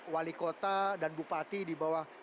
wali kota dan bupati di bawah